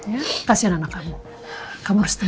ya kasihan anak kamu kamu harus tahu